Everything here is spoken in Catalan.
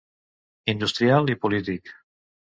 Industrial i polític.